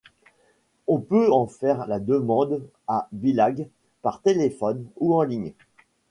On peut en faire la demande à Billag par téléphone ou en ligne.